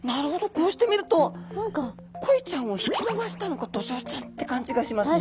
こうして見るとコイちゃんを引き伸ばしたのがドジョウちゃんって感じがしますね。